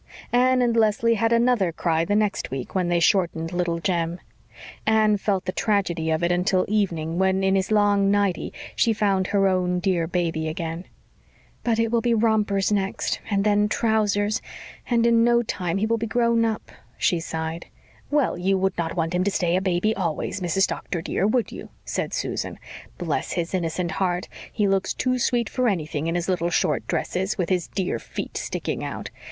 Anne and Leslie had another cry the next week when they shortened Little Jem. Anne felt the tragedy of it until evening when in his long nightie she found her own dear baby again. "But it will be rompers next and then trousers and in no time he will be grown up," she sighed. "Well, you would not want him to stay a baby always, Mrs. Doctor, dear, would you?" said Susan. "Bless his innocent heart, he looks too sweet for anything in his little short dresses, with his dear feet sticking out.